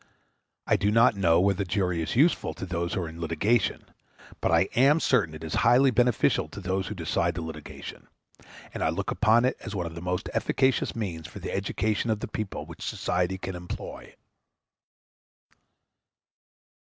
I do not know whether the jury is useful to those who are in litigation; but I am certain it is highly beneficial to those who decide the litigation; and I look upon it as one of the most efficacious means for the education of the people which society can employ.